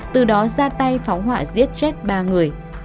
từ đó ra tay phóng hỏa giết chết ba người